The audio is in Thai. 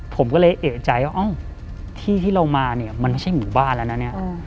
ผมก็เลยเอกใจว่าเอ้าที่ที่เรามาเนี่ยมันไม่ใช่หมู่บ้านแล้วนะเนี่ย